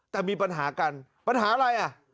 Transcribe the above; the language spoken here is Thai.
แต่มีปัญหากันปัญหาอะไรอ่ะ